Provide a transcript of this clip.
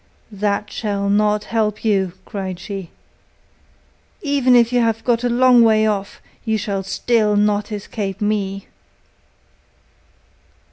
'That shall not help you,' cried she, 'even if you have got a long way off, you shall still not escape me.